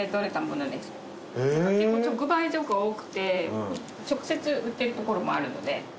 結構直売所が多くて直接売ってるところもあるので。